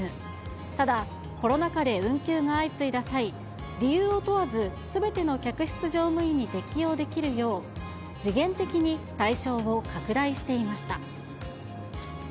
ただ、コロナ禍で運休が相次いだ際、理由を問わずすべての客室乗務員に適用できるよう、時限的に対象を拡大していました。